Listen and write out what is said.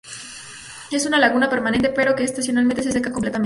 Es una laguna permanente, pero que estacionalmente se seca completamente.